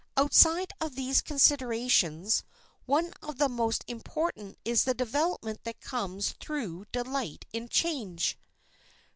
Outside of these considerations one of the most important is the development that comes through delight in change.